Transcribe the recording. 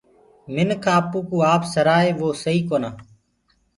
منک آپو ڪوُ آپ سَرآئي وو سئي ڪونآ۔